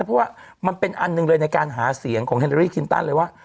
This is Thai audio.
เพราะว่ามันเป็นอันหนึ่งเลยในการหาเสียงของเฮดอรี่คินตันเลยว่า